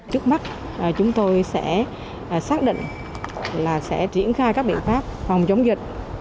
trước mắt chúng tôi sẽ xác định là sẽ triển khai các biện pháp phòng chống dịch